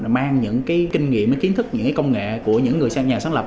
mang những kinh nghiệm những kiến thức những công nghệ của những người sáng nhà sáng lập